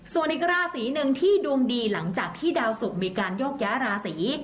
ส่วนอีกราศีหนึ่งที่ดวงดีหลังจากที่ดาวสุกมีการโยกย้ายราศี